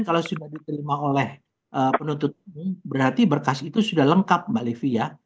kalau sudah diterima oleh penuntut umum berarti berkas itu sudah lengkap mbak livi ya